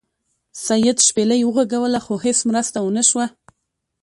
سید شپیلۍ وغږوله خو هیڅ مرسته ونه شوه.